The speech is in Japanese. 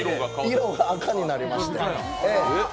色が赤になりました。